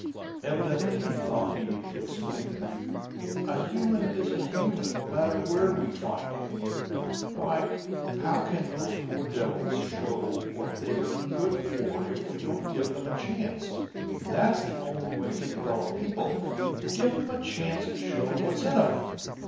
Evidently he thought he needed to explain. "A human is a human, no matter where we find him! Why, how can those poor devils show what they're good for if we don't give 'em a chance? That's the only way to develop people give 'em a chance to show what's in 'em!